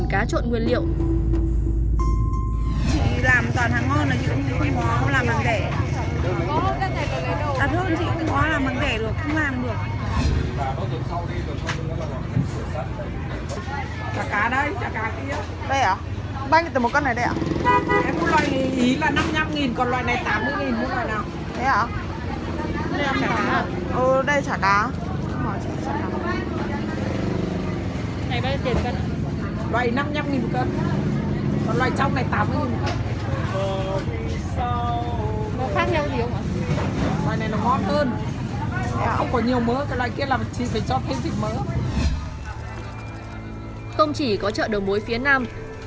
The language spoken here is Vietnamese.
không chỉ có chợ đầu mối phía nam